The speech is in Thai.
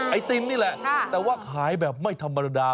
ไอติมนี่แหละแต่ว่าขายแบบไม่ธรรมดา